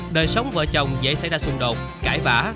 đời sống vợ chồng dễ xảy ra xung đột cãi vã